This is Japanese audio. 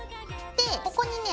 ここにね